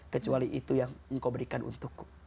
kecuali itu yang engkau berikan untukku